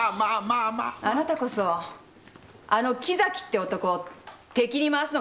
あなたこそあの木崎って男を敵に回すのが怖いんでしょ？